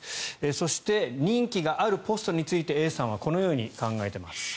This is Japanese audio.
そして任期があるポストに就いたＡさんはこのように考えています。